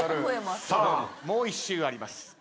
さあもう１周あります。